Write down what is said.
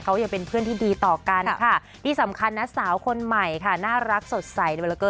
เขายังเป็นเพื่อนที่ดีต่อกันค่ะ